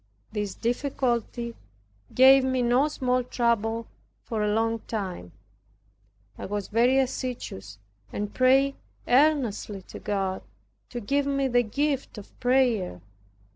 This difficulty gave me no small trouble, for a long time. I was very assiduous and prayed earnestly to God to give me the gift of prayer.